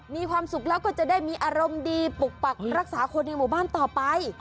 มีความสุขแล้วก็จะได้มีอารมณ์ดีปกปักรักษาคนในหมู่บ้านต่อไป